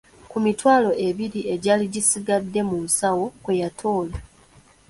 Ku mitwalo ebiri egyali gisigadde mu nsawo kwe yatoola.